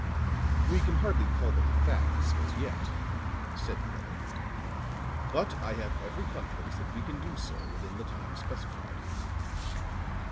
"We can hardly call them facts as yet," said the other; "but I have every confidence that we can do so within the time specified."